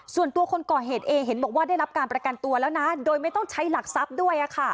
ส่วนตัวคนก่อเหตุเองเห็นบอกว่าได้รับการประกันตัวแล้วนะโดยไม่ต้องใช้หลักทรัพย์ด้วย